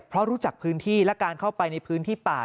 เพราะรู้จักพื้นที่และการเข้าไปในพื้นที่ป่า